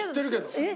えっ？